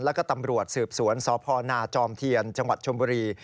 แล้วก็ตำรวจสืบสวนสพนาจอมเทียนจังหวัดชมบุรี